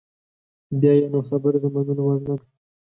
بیا یې نو خبره د منلو وړ نده.